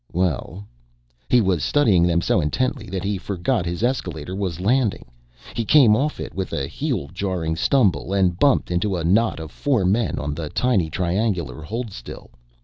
Well.... He was studying them so intently that he forgot his escalator was landing. He came off it with a heel jarring stumble and bumped into a knot of four men on the tiny triangular hold still.